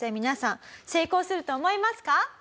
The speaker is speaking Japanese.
皆さん成功すると思いますか？